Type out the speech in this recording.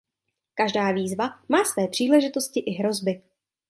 Každá výzva má své příležitosti i hrozby.